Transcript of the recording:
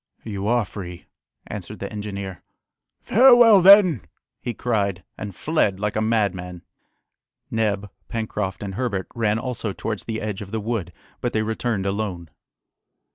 "You are free," answered the engineer. "Farewell then!" he cried, and fled like a madman. Neb, Pencroft, and Herbert ran also towards the edge of the wood but they returned alone.